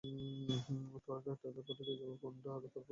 টায়লারের পার্টিতে যাব, পান্ডা হবো, তারপর নাচ দেখাব, সোজা ব্যাপার।